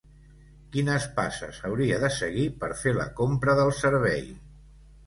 Quines passes hauria de seguir per fer la compra del servei?